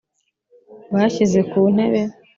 bashyize ku ntebe